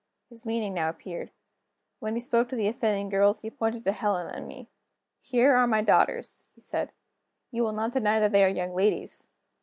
His meaning now appeared. When he spoke to the offending girls, he pointed to Helena and to me. "Here are my daughters," he said. "You will not deny that they are young ladies.